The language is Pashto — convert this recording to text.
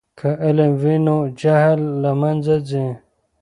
که علم وي نو جهل له منځه ځي.